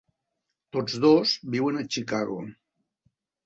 Tots dos viuen a Chicago.